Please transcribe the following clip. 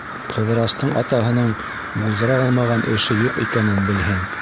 Ҡыҙырастың атаһының булдыра алмаған эше юҡ икәнен белһен.